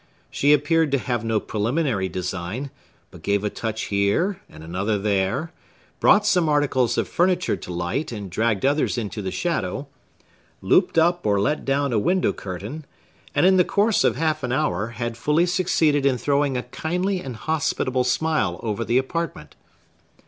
She appeared to have no preliminary design, but gave a touch here and another there; brought some articles of furniture to light and dragged others into the shadow; looped up or let down a window curtain; and, in the course of half an hour, had fully succeeded in throwing a kindly and hospitable smile over the apartment.